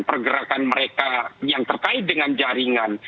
pergerakan mereka yang terkait dengan jaringan